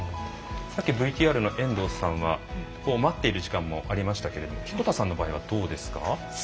さっきＶＴＲの遠藤さんは待っている時間もありましたけれども彦田さんの場合はどうですか？